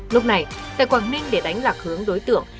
lúc này tại quảng ninh để đánh lạc hướng đối tượng